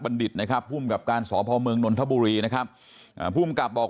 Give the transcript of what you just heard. ดิษฐ์นะครับภูมิกับการสพเมืองนนทบุรีนะครับภูมิกับบอก